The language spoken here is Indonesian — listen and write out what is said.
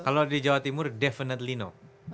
kalau di jawa timur definitely no